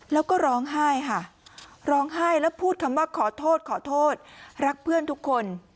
แล้วก็ร้องไห้ค่ะร้องไห้แล้วพูดคำว่าขอโทษขอโทษรักเพื่อนทุกคน